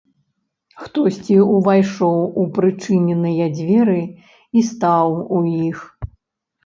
Хтосьці ўвайшоў у прычыненыя дзверы і стаў у іх.